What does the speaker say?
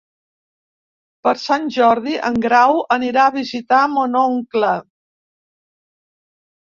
Per Sant Jordi en Grau anirà a visitar mon oncle.